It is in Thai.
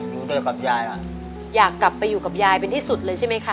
อยู่กับยายล่ะอยากกลับไปอยู่กับยายเป็นที่สุดเลยใช่ไหมคะ